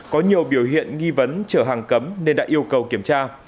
có nhiều biểu hiện nghi vấn chở hàng cấm nên đã yêu cầu kiểm tra